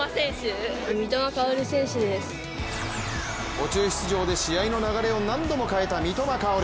途中出場で試合の流れを何度も変えた三笘薫。